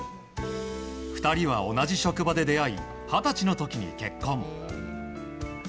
２人は同じ職場で出会い二十歳の時に結婚。